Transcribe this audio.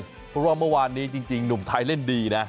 เพราะว่าเมื่อวานนี้จริงหนุ่มไทยเล่นดีนะ